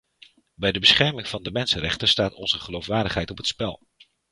Bij de bescherming van de mensenrechten staat onze geloofwaardigheid op het spel.